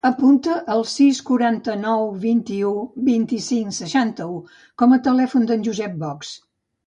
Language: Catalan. Apunta el sis, quaranta-nou, vuitanta-u, vint-i-cinc, seixanta-u com a telèfon del Josep Box.